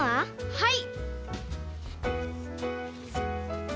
はい！